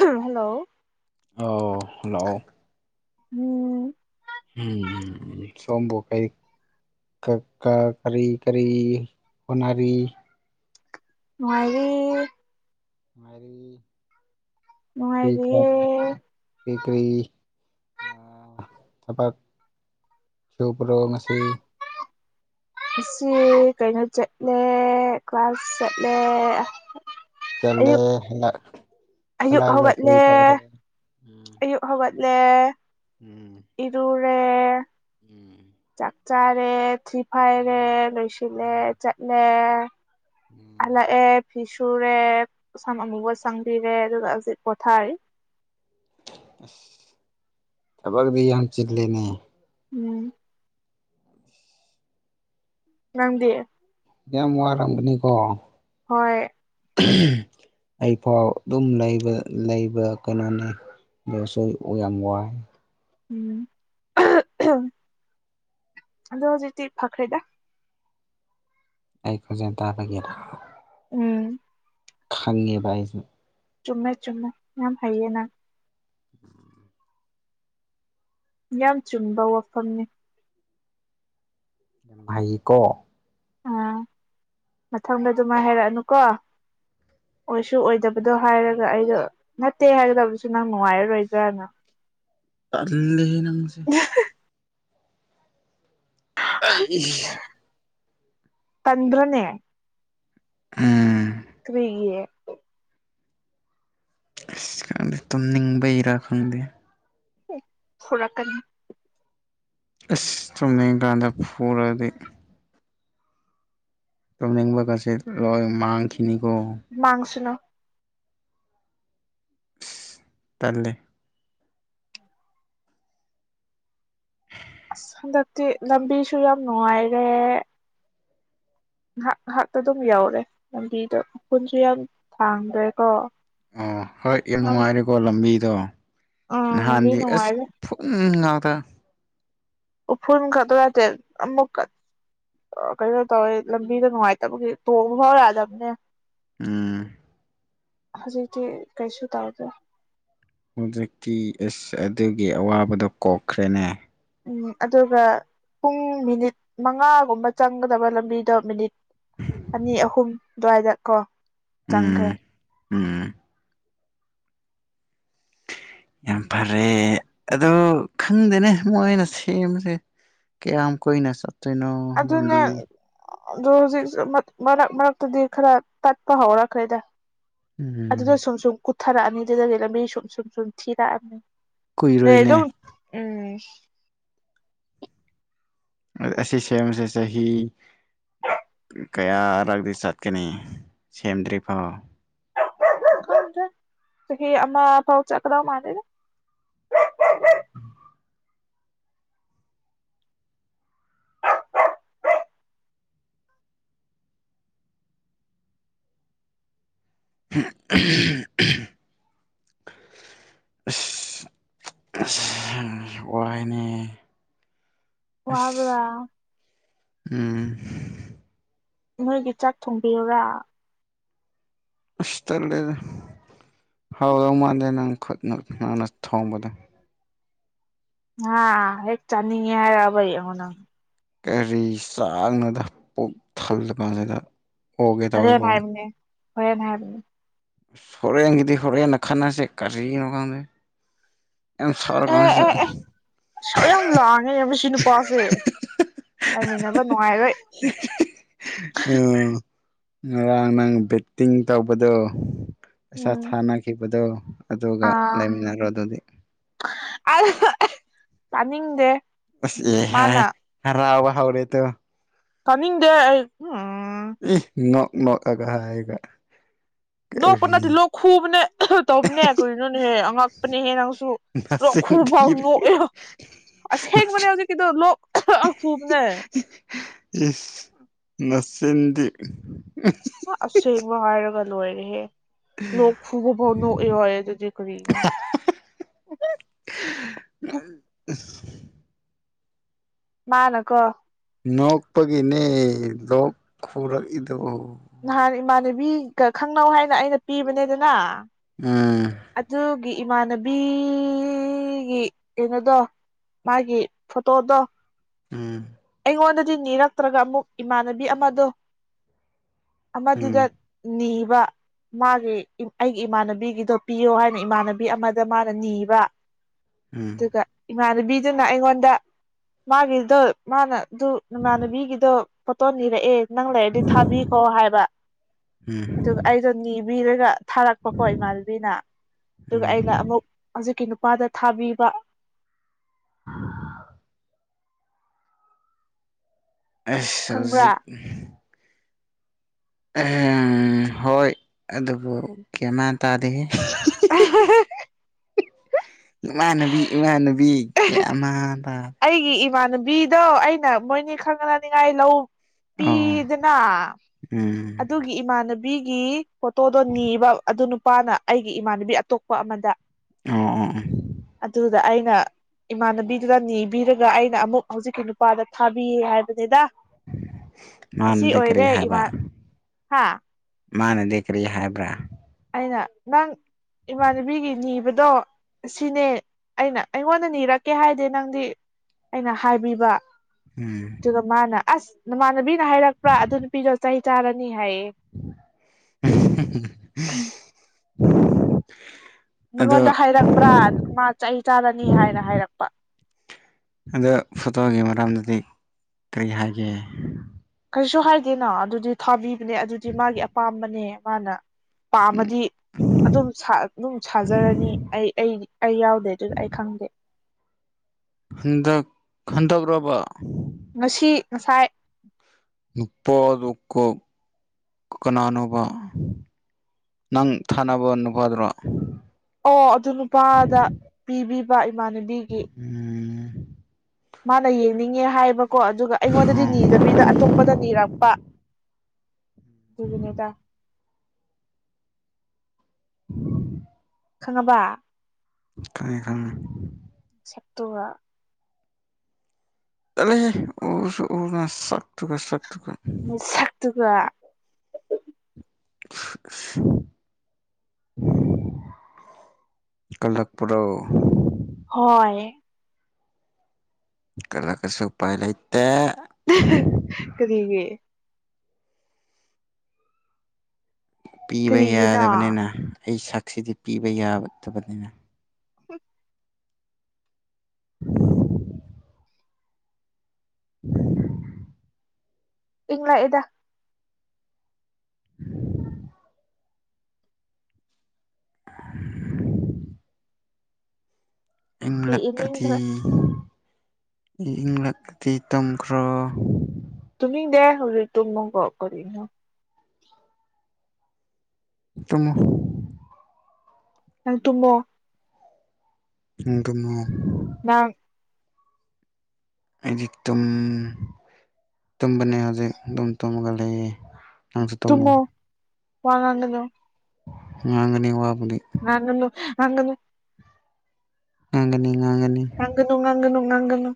hello ꯑꯥꯎ ꯍꯜꯂꯥꯛꯑꯣ ꯎꯝ ꯎꯝ ꯎꯝ ꯁꯣꯕꯨ ꯀꯩ ꯀꯛ ꯀꯔꯤ ꯀꯔꯤ ꯍꯣꯠꯅꯔꯤ ꯃꯗꯤ ꯃꯔꯤ ꯅꯨꯡꯉꯥꯏꯔꯤ ꯦꯀꯔꯤ ꯊꯕꯛ ꯁꯨ ꯄꯨꯔꯣ ꯉꯁꯤ ꯑꯁꯤ ꯀꯩꯅꯣ ꯆꯠꯂꯦ ꯀ꯭ꯂꯥꯁ ꯆꯠꯂꯦ ꯑꯌꯨꯛ ꯆꯂꯦꯂ ꯑꯌꯨꯛ ꯍꯧꯒꯠꯂꯦ ꯎꯝ ꯑꯌꯨꯛ ꯍꯧꯒꯠꯂꯦ ꯎꯝ ꯐ ꯎꯝ ꯆꯥꯛ ꯆꯥꯔꯦ ꯊ꯭ꯤꯔꯤ ꯐꯥꯏꯔꯦ ꯎꯝ ꯂꯣꯏꯁꯤꯜꯂꯦ ꯎꯝ ꯆꯠꯂꯦ ꯎꯝ ꯑꯂ ꯑꯦ ꯐꯁꯨꯨꯔꯦ ꯑꯃꯨꯕ ꯆꯪꯕꯤꯔꯦ ꯑꯗꯨ ꯍꯧꯖꯤ ꯄꯣꯊꯥꯔꯤ ꯊꯕꯛ ꯌꯥꯝ ꯆꯤꯠꯂꯅꯦ ꯎꯝ ꯅꯪꯗꯤ ꯃ ꯋꯥꯔꯝꯕꯅꯤꯀꯣ ꯍꯣꯏ ꯑꯩꯐꯥꯎ ꯑꯗꯨꯝ ꯂꯩꯕ ꯀꯩꯅꯣꯅꯤ ꯁꯣꯏ ꯑꯣꯏ ꯌꯥꯝ ꯌꯥꯝ ꯋꯥꯥꯏ ꯎꯝ ꯑꯗꯣ ꯍꯧꯖꯤꯛꯇꯤ ꯐꯈ꯭ꯔꯦꯗ ꯑꯩꯈꯣꯖꯦꯟ ꯇꯥꯕꯒꯦꯔ ꯎꯝ ꯈꯪꯉꯦꯕꯥ ꯑꯩꯁꯨ ꯆꯨꯝꯃꯦ ꯆꯨꯝꯃꯦ ꯌꯥꯝ ꯍꯥꯏꯩꯌꯦ ꯅꯪ ꯌꯥꯝ ꯆꯨꯝꯕ ꯋꯥꯐꯝꯅꯤ ꯚꯥꯏꯀꯣ ꯑꯥ ꯃꯊꯪꯗ ꯑꯗꯨꯃꯥꯏ ꯍꯥꯏꯔꯛꯑꯅꯨꯀꯣ ꯑꯣꯏꯁꯨ ꯑꯣꯏꯗꯕꯗꯣ ꯍꯥꯏꯔꯒ ꯑꯩꯗꯣ ꯅꯠꯇꯦ ꯍꯥꯏꯒꯗꯕꯁꯨ ꯅꯪ ꯅꯨꯡꯉꯥꯏꯔꯔꯣꯏꯗ꯭ꯔꯥꯅ [inaudible] ꯇꯜꯂꯤꯍ‌ꯦ ꯅꯁꯤ ꯑꯩ ꯆꯟ꯭ꯔꯅꯦ ꯎꯝ ꯑꯁ ꯈꯪꯗꯦ ꯇꯨꯝꯅꯤꯡꯕꯩꯔꯥ ꯈꯪꯗꯦ ꯐꯨꯔꯛꯀꯅꯤ ꯑꯁ ꯇꯨꯝꯅꯤꯡ ꯀꯥꯟꯗ ꯐꯨꯔꯗꯤ ꯇꯨꯝꯅꯤꯡꯕ ꯒꯥꯁꯦ ꯂꯣꯏꯅ ꯃꯥꯡꯈꯤꯅꯤꯀꯣ ꯃꯥꯡꯁꯅꯨ ꯇꯜꯂꯦ ꯑꯁ ꯍꯟꯗꯛꯇꯤ ꯂꯝꯕꯤꯁꯨ ꯌꯥꯝ ꯅꯨꯡꯉꯥꯏꯔꯦ ꯉꯥꯏꯍꯥꯛ ꯉꯥꯏꯍꯥꯛꯇ ꯑꯗꯨꯝ ꯌꯧꯔꯦ ꯂꯝꯕꯤꯗꯣ ꯎꯐꯨꯟꯁꯨ ꯌꯥꯝ ꯊꯥꯡꯗ꯭ꯔꯦ ꯀꯣ ꯑꯣ ꯍꯣꯏ ꯌꯥꯝ ꯅꯨꯡꯉꯥꯏꯔꯦꯀꯣ ꯂꯝꯕꯤꯗꯣ ꯑꯥ ꯂꯝꯕꯤ ꯅꯍꯥꯟꯗꯤ ꯑꯁ ꯅꯨꯡꯉꯥꯏꯔꯦ ꯎꯐꯨꯟ ꯉꯥꯛꯇ ꯎꯐꯨꯟ ꯈꯇꯔ ꯅꯠꯇꯦ ꯑꯃꯣꯛꯀ ꯑꯥ ꯀꯩꯅꯣ ꯇꯧꯋꯦ ꯂꯝꯕꯤꯗꯣ ꯅꯨꯡꯉꯥꯏꯇꯕꯒꯤ ꯇꯣꯡꯕ ꯐꯥꯎ ꯌꯥꯗꯕꯅꯦ ꯎꯝ ꯍꯧꯖꯤꯛꯀꯤ ꯀꯩꯁꯨ ꯇꯧꯗꯦ ꯍꯧꯖꯤꯛꯇꯤ ꯏꯁꯁ ꯑꯗꯨꯒꯤ ꯑꯋꯥꯕꯗꯣ ꯀꯣꯛꯈ꯭ꯔꯦ ꯅꯦ ꯎꯝ ꯑꯗꯨꯒ ꯄꯨꯡ ꯃꯤꯅꯤꯠ ꯃꯉꯥꯒꯨꯝꯕ ꯆꯪꯒꯗꯕ ꯂꯝꯕꯤꯗꯣ ꯃꯤꯅꯤꯠ ꯑꯅꯤ ꯑꯍꯨꯝ ꯑꯗꯨꯋꯥꯏꯗ ꯀꯣ ꯆꯪꯈ꯭ꯔꯦ ꯎꯝ ꯎꯝ ꯌꯥꯝ ꯐꯔꯦ ꯑꯗꯨ ꯈꯪꯗꯦꯅꯦ ꯃꯣꯏꯅ ꯁꯦꯝꯕꯁꯦ ꯀꯌꯥꯝ ꯀꯨꯏꯅ ꯆꯠꯇꯣꯏꯅꯣ ꯑꯗꯨꯅꯦ ꯂꯝꯕꯤ ꯑꯗꯣ ꯍꯧꯖꯤꯛꯁꯨ ꯃꯔꯛ ꯃꯔꯛꯇꯗꯤ ꯈꯔ ꯇꯠꯄ ꯍꯧꯔꯛꯈ꯭ꯔꯦꯗ ꯑꯗꯨꯗ ꯎꯝ ꯁꯨꯝ ꯁꯨꯝ ꯀꯨꯠꯊꯔꯛꯑꯅꯤ ꯑꯗꯨꯗꯗꯤ ꯂꯝꯕꯤ ꯁꯨꯝ ꯁꯨꯝ ꯁꯨꯝ ꯊꯤꯔꯛꯑꯅꯤ [inaudible] ꯀꯨꯏꯔꯣꯏꯅꯦ ꯑꯁꯤ ꯁꯦꯝꯕꯁꯦ ꯆꯍꯤ ꯀꯥꯌꯥꯔꯛꯇꯤ ꯆꯠꯀꯅꯤ ꯁꯦꯝꯗ꯭ꯔꯤꯐꯥꯎ ꯆꯍꯤ ꯑꯃ ꯐꯥꯎ ꯆꯠꯀꯗꯕ ꯃꯥꯟꯗꯦꯗꯥ ꯑꯁ ꯋꯥꯏꯅꯦ ꯑꯁ ꯋꯥꯕ꯭ꯔꯥ ꯎꯝ ꯅꯣꯏꯒꯤ ꯆꯥꯛ ꯊꯣꯡꯕꯤꯌꯨꯔꯥ ꯑꯁ ꯇꯜꯂꯦꯗ ꯍꯥꯎꯗꯧ ꯃꯥꯟꯗꯦ ꯅꯪ ꯈꯨꯠꯅ ꯅꯪꯅ ꯊꯣꯡꯕꯗꯣ ꯍꯥꯥ ꯍꯦꯛ ꯆꯥꯅꯤꯡꯉꯦ ꯍꯥꯏꯔꯛꯑꯕ ꯌꯦꯡꯎ ꯅꯪ ꯀꯔꯤ ꯆꯥꯛꯅꯣꯗ ꯄꯨꯛ ꯊꯜꯂꯕ ꯀꯥꯟꯁꯤꯗ ꯑꯣꯒꯦ ꯍꯣꯔꯦꯟ ꯇꯧꯋꯦꯀꯣ ꯍꯥꯏꯕꯅꯦ [inaudible] ꯍꯣꯔꯦꯟꯒꯤꯗꯤ ꯍꯣꯔꯦꯟꯅ ꯈꯟꯅꯁꯦ ꯀꯔꯤꯅꯣ ꯈꯪꯗꯦ ꯌꯥꯝ ꯁꯥꯎꯔ ꯑꯦ ꯀꯥꯟꯁꯤꯗ ꯑꯦ ꯑꯦ ꯏꯁꯧ ꯌꯥꯝ ꯂꯥꯡꯉꯤꯅꯦ ꯃꯁꯤ ꯅꯨꯄꯥꯁꯦ ꯂꯩꯃꯤꯟꯅꯕ ꯅꯨꯡꯉꯥꯏꯔꯣꯏ ꯎꯝ ꯉꯔꯥꯡ ꯅꯪ ꯕꯦꯠꯇꯤꯡ ꯇꯧꯕꯗꯣ ꯄꯩꯁꯥ ꯎꯝ ꯊꯥꯅꯈꯤꯕꯗꯣ ꯑꯗꯨꯒ ꯂꯩꯃꯤꯟꯅꯔꯣ ꯑꯗꯨꯗꯤ ꯑ ꯇꯥꯅꯤꯡꯗꯦ ꯑꯁ ꯑ ꯃꯥꯅ ꯍꯔꯥꯎ ꯍꯧꯔꯦ ꯇꯨ ꯇꯥꯅꯤꯡꯗꯦ ꯑꯩ ꯎꯝ ꯏ ꯅꯣꯛ ꯅꯣꯛꯑꯒ ꯍꯥꯏꯔꯒ ꯅꯣꯛꯄ ꯅꯠꯇꯦ ꯀꯔꯤ ꯂꯣꯛ ꯈꯨꯕꯅꯦ ꯑꯥ ꯍꯨ ꯇꯧꯕꯅꯦ ꯀꯩꯅꯣ ꯅꯦꯍꯦ ꯑꯉꯛꯄꯅꯤꯍꯦ ꯅꯥꯪꯁꯨ ꯂꯣꯛ ꯅꯆꯤꯟ ꯈꯨꯐꯧ ꯊꯤꯔꯦ ꯅꯣꯛꯑꯦ ꯍꯥꯏꯕ ꯑꯁꯦꯡꯕꯅꯦ ꯍꯧꯖꯤꯛꯀꯤꯗꯣ ꯂꯣꯛ ꯈꯨꯕꯅꯦ ꯏꯁ ꯅꯆꯤꯟꯗꯤ ꯑꯁꯦꯡꯕ ꯍꯥꯏꯔꯒ ꯂꯣꯏꯔꯦꯍꯦ ꯂꯣꯛ ꯈꯨꯕꯐꯥꯎ ꯅꯣꯛꯑ ꯀꯔꯤꯅꯣ ꯎ ꯃꯥꯅ ꯀꯣ ꯅꯣꯛꯄꯒꯤꯅꯦ ꯂꯣꯛ ꯈꯨꯔꯛꯏꯗꯨ ꯅꯍꯥꯟ ꯏꯃꯥꯟꯅꯕꯤꯒ ꯈꯪꯅꯧ ꯍꯥꯏꯅ ꯑꯩꯅ ꯄꯤꯕꯅꯦꯗꯅ ꯎꯝ ꯑꯗꯨꯒꯤ ꯏꯃꯥꯟꯅꯕꯤꯒꯤ ꯀꯩꯅꯣꯗꯣ ꯃꯥꯒꯤ ꯐꯣꯇꯣꯗꯣ ꯎꯝ ꯑꯩꯉꯣꯟꯗꯗꯤ ꯅꯤꯔꯛꯇ꯭ꯔꯒ ꯑꯃꯨꯛ ꯏꯃꯥꯟꯅꯕꯤ ꯑꯃꯗꯣ ꯑꯃꯗꯨꯗ ꯎꯝ ꯅꯤꯕ ꯃꯥꯒꯤ ꯑꯩꯒꯤ ꯏꯃꯥꯟꯅꯕꯤꯒꯤꯗꯣ ꯄꯤꯌꯣ ꯍꯥꯏꯅ ꯏꯃꯥꯟꯅꯕꯤ ꯑꯃꯗ ꯃꯥꯅ ꯅꯤꯕ ꯎꯝ ꯑꯗꯨꯒ ꯏꯃꯥꯟꯅꯕꯤꯗꯨꯅ ꯑꯩꯉꯣꯟꯗ ꯃꯥꯒꯤꯗꯣ ꯃꯥꯅ ꯑꯗꯨ ꯅꯃꯥꯟꯅꯕꯤꯒꯤꯗꯣ ꯐꯣꯇꯣ ꯅꯤꯔꯛꯑꯦ ꯅꯪ ꯂꯩꯔꯗꯤ ꯊꯥꯕꯤꯈꯣ ꯍꯥꯏꯕ ꯎꯝ ꯑꯗꯨꯒ ꯑꯩꯗꯣ ꯅꯤꯕꯤꯔꯒ ꯊꯥꯔꯛꯄꯀꯣ ꯏꯃꯥꯟꯅꯕꯤꯅ ꯑꯗꯨꯒ ꯎꯝ ꯑꯩꯅ ꯑꯃꯨꯛ ꯍꯧꯖꯤꯛꯀꯤ ꯅꯨ ꯃꯄꯥꯗ ꯊꯥꯕꯤꯕ ꯑ ꯑꯁ ꯈꯪꯕ꯭ꯔꯥ ꯍꯧꯖꯤꯛ ꯍꯣꯏ ꯑꯗꯨꯕꯨ ꯒꯌ꯭ꯥꯟꯃꯥꯟ ꯇꯥꯗꯦꯍꯦ ꯑ ꯏꯃꯥꯟꯅꯕꯤ ꯏꯃꯥꯟꯅꯕꯤ ꯀꯌꯥ ꯑꯃ ꯇꯗꯦ ꯑꯩꯒꯤ ꯏꯃꯥꯟꯅꯕꯤꯗꯣ ꯑꯩꯅ ꯃꯣꯏꯅꯤ ꯈꯪꯅꯅꯤꯡꯉꯥꯏ ꯂꯧ ꯑꯣ ꯄꯤꯗꯅ ꯎꯝ ꯑꯗꯨꯒꯤ ꯏꯃꯥꯟꯅꯕꯤꯒꯤ ꯐꯣꯇꯣꯗꯣ ꯅꯤꯕ ꯑꯗꯨ ꯅꯨ ꯅꯨꯄꯥꯅ ꯑꯩꯒꯤ ꯏꯃꯥꯟꯅꯕꯤ ꯑꯇꯣꯞꯄ ꯑꯃꯗ ꯑꯣ ꯑꯣ ꯑꯣ ꯑꯗꯨꯗ ꯑꯩꯅ ꯏꯃꯥꯟꯅꯕꯤꯗꯨꯗ ꯅꯤꯕꯤꯔꯒ ꯑꯩꯅ ꯑꯃꯨꯛ ꯍꯧꯖꯤꯛꯀꯤ ꯅꯨꯄꯥꯗꯨꯗꯥ ꯊꯥꯕꯤꯌꯦ ꯍꯥꯏꯕꯅꯤꯗ ꯑꯁꯤ ꯃꯥꯅꯗꯤ ꯀꯔꯤ ꯑꯣꯏꯔꯦ ꯍꯥꯏꯕ ꯏꯃꯥ ꯍꯥꯥ ꯃꯥꯅꯗꯤ ꯀꯥꯔꯤ ꯍꯥꯏꯕ꯭ꯔꯥ ꯑꯩꯅ ꯅꯪ ꯏꯃꯥꯟꯅꯕꯤꯒꯤ ꯅꯤꯕꯗꯣ ꯁꯤꯅꯦ ꯑꯩꯅ ꯑꯩꯉꯣꯟꯗ ꯅꯤꯔꯛꯀꯦ ꯍꯥꯏꯗꯦ ꯅꯪꯗꯤ ꯑꯩꯅ ꯍꯥꯏꯕꯤꯕ ꯎꯝ ꯑꯗꯨꯒ ꯃꯥꯅ ꯑꯁ ꯅꯃꯥꯟꯅꯕꯤꯅ ꯍꯥꯏꯔꯛꯄ꯭ꯔꯥ ꯑꯗꯨ ꯅꯨꯄꯤꯗꯣ ꯆꯩ ꯆꯥꯔꯅꯤ ꯍꯥꯏꯌꯦ ꯗ ꯅꯪꯉꯣꯟꯗ ꯍꯥꯏꯔꯛꯄ꯭ꯔꯥ ꯃꯥ ꯆꯩ ꯆꯥꯔꯅꯤ ꯍꯥꯏꯅ ꯍꯥꯏꯔꯛꯄ ꯑꯗꯣ ꯐꯣꯇꯣꯒꯤ ꯃꯔꯝꯗꯨꯗꯤ ꯀꯔꯤ ꯍꯥꯏꯒꯦ ꯀꯔꯤꯁꯨ ꯍꯥꯏꯗꯦꯅꯥ ꯑꯗꯨꯗꯤ ꯊꯥꯕꯤꯕꯅꯦ ꯑꯗꯨꯗꯤ ꯃꯥꯒꯤ ꯑꯄꯥꯝꯕꯅꯦ ꯃꯥꯅ ꯄꯥꯝꯃꯗꯤ ꯑꯗꯨꯝ ꯑꯗꯨꯝ ꯁꯥꯖꯔꯅꯤ ꯑꯩ ꯑꯩ ꯑꯩ ꯌꯥꯎꯗꯦ ꯑꯗꯨꯗ ꯑꯩ ꯈꯪꯗꯦ ꯍꯟꯗꯛ ꯍꯟꯊꯥꯒꯔꯕ ꯉꯁꯤ ꯉꯁꯥꯏ ꯅꯨꯄꯥꯗꯨ ꯀ ꯀꯅꯥꯅꯣꯕ ꯅꯪ ꯊꯅꯥꯕꯥ ꯅꯨꯄꯗꯨꯔꯣ ꯑꯣ ꯑꯗꯨ ꯅꯨꯄꯥꯗ ꯄꯤꯕꯤꯕ ꯏꯃꯥꯟꯅꯕꯤꯒꯤ ꯎꯝ ꯃꯥꯅ ꯌꯦꯡꯅꯤꯡꯉꯦ ꯍꯥꯏꯕꯀꯣ ꯑꯗꯨꯒ ꯑꯩꯉꯣꯟꯗꯗꯤ ꯑꯣ ꯅꯤꯗꯕꯤꯗ ꯑꯇꯣꯞꯄꯗ ꯅꯤꯔꯛꯄ ꯗꯨꯒꯤꯅꯤꯗ ꯎꯝ ꯈꯪꯉꯕ ꯈꯪꯒꯦ ꯁꯛ ꯇꯨꯒꯥ ꯆꯠꯂꯨꯍꯦ ꯎꯁꯨ ꯎꯗꯅ ꯁꯛꯇꯨꯒ ꯁꯛꯇꯨꯒ ꯃꯁꯛ ꯇꯨꯒ [unintelligible] ꯀꯜꯂꯛꯄ꯭ꯔꯣ ꯍꯣꯏ ꯀꯜꯂꯛ ꯑꯁꯨ ꯎꯄꯥꯏ ꯂꯪꯇꯦ ꯀꯔꯤꯒꯤ ꯄꯤꯕ ꯀꯔꯤꯒꯤꯅꯣ ꯌꯥꯗꯕꯅꯤꯅ ꯑꯩ ꯁꯛꯁꯤꯗꯤ ꯄꯤꯕ ꯌꯥꯕ ꯗꯕꯅꯤꯅ [unintelligible] [unintelligible] ꯏꯪꯂꯛ ꯑꯦꯗ [unintelligible] ꯐꯤ ꯏꯪꯂꯛꯑꯗꯤ ꯏꯅꯤꯡꯈ꯭ꯔꯦ ꯏꯪꯂꯛꯑꯗꯤ ꯇꯨꯝꯈ꯭ꯔꯣ ꯇꯨꯝꯅꯤꯡꯗꯦ ꯍꯧꯖꯤꯛ ꯇꯨꯝꯃꯒ ꯀꯔꯤꯅꯣ ꯇꯨꯝꯃꯨ ꯅꯪ ꯇꯨꯝꯃꯣ ꯅꯪ ꯇꯨꯝꯃꯣ ꯅꯪ ꯑꯩꯗꯤ ꯇꯨꯝ ꯇꯨꯝꯕꯅꯦ ꯍꯧꯖꯤꯛ ꯑꯗꯨꯝ ꯇꯨꯝꯃ ꯂꯩ ꯅꯪꯁꯨ ꯇꯨꯝꯃꯣ ꯋꯥ ꯉꯥꯡꯒꯅꯣ ꯉꯥꯡꯒꯅꯤ ꯋꯥ ꯉꯥꯡꯒꯅꯨ ꯉꯥꯡꯒꯅꯨ ꯉꯥꯡꯒꯅꯤ ꯉꯥꯡꯒꯅꯤ ꯉꯥꯡꯒꯅꯨ ꯉꯥꯡꯒꯅꯨ ꯉꯥꯡꯒꯅꯨ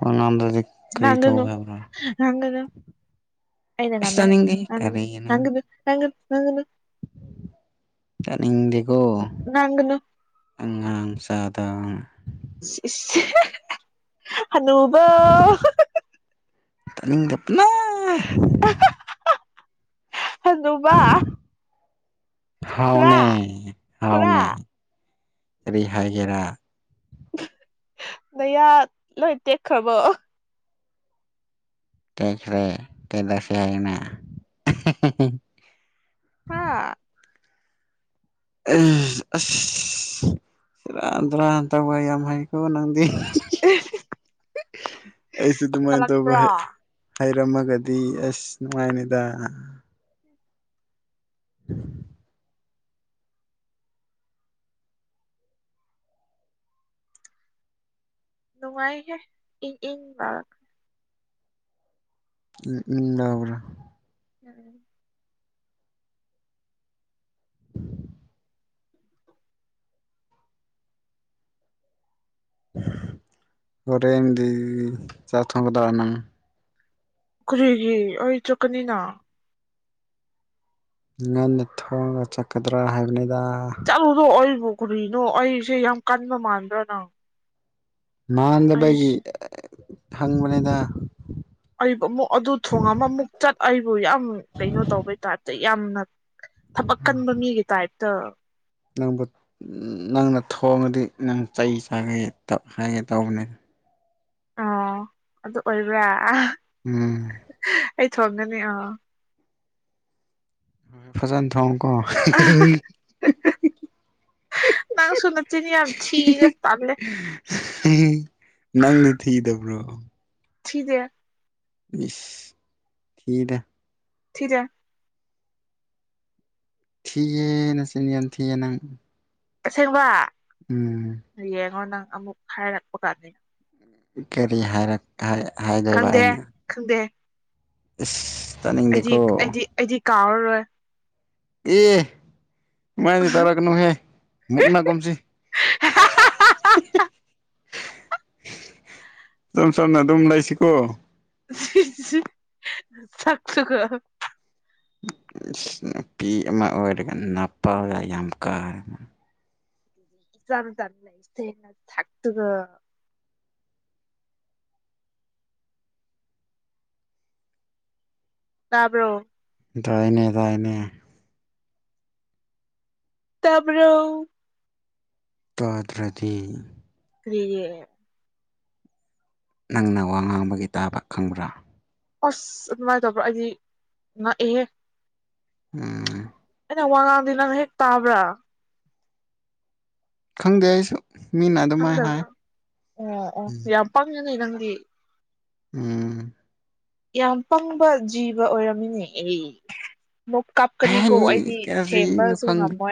ꯋꯥ ꯉꯥꯡꯗꯔꯗꯤ ꯀꯔꯤꯇꯧ ꯉꯥꯡꯒꯅꯨ ꯍꯥꯏꯕꯔꯥ ꯉꯥꯡꯒꯅꯨ ꯑꯩꯅ ꯉꯝꯃꯦ ꯇꯥꯅꯤꯡꯗꯦ ꯅꯪ ꯀꯔꯤꯅꯣ ꯉꯥꯡꯒꯅꯨ ꯉꯥꯡꯒ ꯇꯥꯅꯤꯡꯗꯦ ꯉꯥꯡꯒꯅꯨ ꯆꯥꯗꯥ ꯏꯁ ꯍꯅꯨꯕꯧ ꯇꯥꯅꯤꯡꯗꯄꯅ ꯍꯅꯨꯕꯥ ꯍꯥꯎꯅꯦ ꯈꯨꯔꯥ ꯍꯥꯎꯅꯦ ꯀꯔꯤ ꯍꯥꯏ ꯒꯦꯔꯥ ꯅꯌꯥ ꯂꯣꯏ ꯇꯦꯛꯈ꯭ꯔꯕꯣ ꯇꯦꯛꯈ꯭ꯔꯦ ꯀꯩꯗꯧꯁꯦ ꯍꯥꯏꯅꯣ ꯍꯥ ꯑꯁ ꯁꯦꯔꯥꯟ ꯇꯨ ꯔꯥꯟ ꯇꯧꯕ ꯌꯥꯝ ꯍꯩꯀꯣ ꯅꯪꯗꯤ ꯑꯩꯁꯨ ꯑꯗꯨꯃꯥꯏ ꯇꯧꯕ ꯀꯜꯂꯛꯄ꯭ꯔꯣ ꯍꯩ ꯍꯩꯔꯝꯃꯒꯗꯤ ꯑꯁ ꯅꯨꯡꯉꯥꯏꯅꯤꯗ [unintelligible] ꯅꯨꯡꯉꯥꯏꯍꯦ ꯏꯪ ꯏꯪ ꯂꯥꯎꯔ ꯏꯪ ꯏꯪ ꯂꯥꯎꯕ꯭ꯔꯣ ꯎꯝ ꯍꯔꯦꯟꯗꯤ ꯆꯥꯛ ꯊꯣꯡꯒꯗꯔꯥ ꯅꯪ ꯀꯔꯤꯒꯤ ꯑꯩ ꯆꯠꯀꯅꯤꯅ ꯉꯟꯅ ꯊꯣꯡꯉꯒ ꯆꯠꯀꯗ꯭ꯔꯥ ꯍꯥꯏꯕꯅꯤ ꯆꯠꯂꯨꯗꯣ ꯑꯩꯕꯨ ꯀꯨꯔꯤꯅꯣ ꯑꯩꯁꯦ ꯌꯥꯝ ꯀꯟꯕ ꯃꯥꯟꯕ꯭ꯔ ꯅꯪ ꯃꯥꯟꯗꯕꯒꯤ ꯑꯩꯁꯦ ꯍꯪꯕꯅꯤꯗ ꯑꯩꯕꯨ ꯑꯃꯨꯛ ꯑꯗꯨ ꯊꯣꯡ ꯑꯃ ꯑꯃꯨꯛ ꯆꯠ ꯑꯩꯕꯨ ꯌꯥꯝ ꯀꯩꯅꯣ ꯇꯧꯕꯩ ꯇꯥꯏꯞꯇ ꯌꯥꯝꯅ ꯊꯕꯛ ꯀꯟꯕ ꯃꯤꯒꯤ ꯇꯥꯏꯞꯇ ꯅꯪꯕꯨ ꯅꯪꯅ ꯊꯣꯡꯉꯗꯤ ꯅꯪ ꯆꯩ ꯆꯥꯒꯦꯇ ꯍꯥꯏꯌ‌ꯦꯅ ꯇꯧꯕꯅꯦ ꯑꯣ ꯑꯗꯨ ꯑꯣꯏꯕ꯭ꯔꯥ ꯎꯝ ꯑꯩ ꯊꯪꯒꯅꯤ ꯑꯥ ꯐꯖꯅꯥ ꯊꫭꯡꯉꯨꯀꫭ ꯅꯪ ꯁꯨ ꯅꯆꯤꯟ ꯌꯥꯝ ꯊꯤꯗ ꯇꯝꯂ‌ꯦ ꯅꯪꯗꯤ ꯊꯤꯗꯕ꯭ꯔꯣ ꯊꯤꯗꯦ ꯏꯁ ꯊꯤꯗ‌ꯦ ꯊꯤꯗ‌ꯦ ꯊꯤꯌꯦ ꯅꯆꯤꯟ ꯌꯥꯝ ꯌꯥꯝ ꯊꯤꯌꯦ ꯅꯪ ꯑꯁꯦꯡꯕ ꯎꯝ ꯌꯦꯡꯉꯣ ꯅꯪ ꯑꯃꯨꯛ ꯍꯥꯏꯔꯛꯄ ꯀꯥꯟꯅꯤ ꯀꯔꯤ ꯍꯥꯏꯔꯛ ꯍꯥꯏ ꯍꯥꯏꯗꯣꯏꯕ ꯈꯪꯗꯦ ꯑꯩꯅ ꯈꯪꯗꯦ ꯏꯁ ꯇꯅꯤꯡꯗꯤꯀꯣ ꯀꯥꯥꯎꯔꯣꯏ ꯑꯦ ꯃꯥꯏꯗꯤ ꯇꯧꯔꯒꯅꯨꯍꯦ ꯃꯨꯛꯅꯥ ꯀꯨꯝꯁꯤ ꯁꯝ ꯁꯝꯅ ꯑꯗꯨꯝ ꯂꯩꯁꯤꯀꯣ ꯁꯛꯇꯨꯒꯥ ꯄꯤ ꯑꯃ ꯑꯣꯏꯔꯒ ꯄꯥꯥꯏ ꯌꯥꯝ ꯀꯥꯔ ꯑꯃ ꯆ ꯆꯩꯅ ꯊꯥꯛꯇꯒ ꯇꯥꯕ꯭ꯔꯣ ꯏ ꯇꯥꯏꯅꯦ ꯇꯥꯏꯅꯦ ꯇꯥꯄꯔ ꯇꯥꯗ꯭ꯔꯗꯤ ꯀꯔꯤꯌꯦ ꯅꯪꯅ ꯋꯥ ꯉꯥꯡꯕꯒꯤ ꯇꯥꯕ ꯈꯪꯕ꯭ꯔꯥ ꯑꯁ ꯑꯗꯨꯃꯥꯏꯅ ꯇꯧꯕ꯭ꯔꯥ ꯑꯩꯗꯤ ꯉꯛꯑꯍꯦ ꯎꯝ ꯑꯩꯅ ꯋꯥꯉꯥꯡꯗꯤ ꯅꯪ ꯍꯦꯛ ꯇꯥꯕ꯭ꯔꯥ ꯈꯪꯗꯦ ꯑꯩꯁꯨ ꯃꯤꯅ ꯑꯗꯨꯃꯥꯏ ꯍꯥꯏ ꯈꯪꯗꯕ꯭ꯔꯥ ꯑꯣ ꯑꯣ ꯎꯝ ꯌꯥꯝ ꯄꯪꯉꯅꯤ ꯅꯪꯗꯤ ꯎꯝ ꯌꯥꯝ ꯄꯪꯕ ꯖꯤꯕ ꯑꯣꯏꯔꯝꯃꯤꯅꯦ ꯃꯨꯛ ꯀꯥꯞꯀꯅꯤꯀꯣ ꯐꯦꯟ ꯑꯩꯗꯤ ꯀꯔꯤꯅꯣ ꯊꯦꯝꯕꯁꯨ ꯈꯪꯗꯦ ꯉꯝꯃꯣꯏ